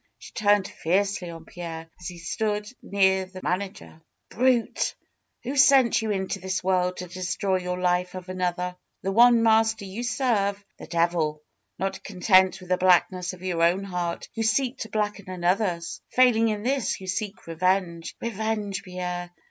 She turned fiercely on Pierre, as he stood near the manager. ''Brute! Who sent you into this world to destroy the life of another? The one master you server — the devil ! Not content with the blackness of your own heart, you seek to blacken another's. Failing in this, you seek revenge ! Eevenge, Pierre